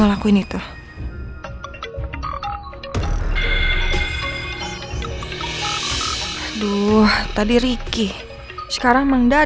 nanti saya dalem dah